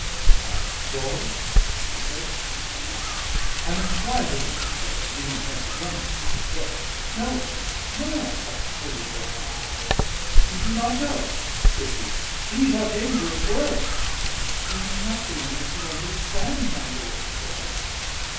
'" "They have quarrelled?" he said. I nodded. "I must fly to them," he said, beginning once again to leave his bed. "No, no!" I cried, holding forth my hands. "You do not know," said he. "These are dangerous words." "Will nothing make you understand, my lord?" said I.